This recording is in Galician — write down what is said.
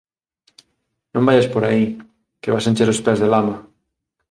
Non vaias por aí, que vas encher os pés de lama.